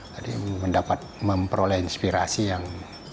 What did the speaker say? jadi mendapat memperoleh inspirasi yang